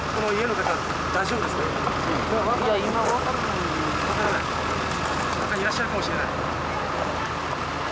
中にいらっしゃるかもしれない。